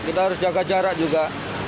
kita harus jaga jarak juga